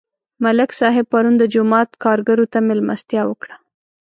ملک صاحب پرون د جومات کارګرو ته مېلمستیا وکړه.